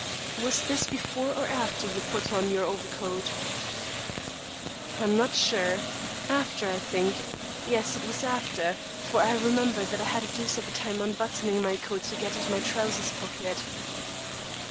"Was this before or after you put on your overcoat?" "I'm not sure; after, I think. Yes, it was after; for I remember that I had a deuce of a time unbuttoning my coat to get at my trousers' pocket."